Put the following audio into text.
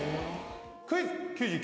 クイズ。